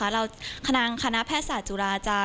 เราขนาดคณะแพทย์ศาสตร์จุฬาจา